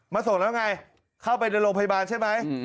ส่งแล้วไงเข้าไปในโรงพยาบาลใช่ไหม